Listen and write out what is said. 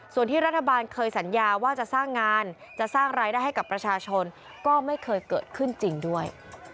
ส่วนที่รัฐบาลเคยสัญญาว่าจะสร้างงานจะสร้างรายได้ให้กับประชาชนก็ไม่เคยเกิดขึ้นจริงด้วย